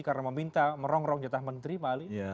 karena meminta merongrong jatah menteri pak ali